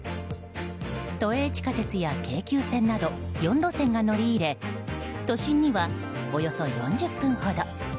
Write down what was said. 都営地下鉄や京急線など４路線が乗り入れ都心にはおよそ４０分ほど。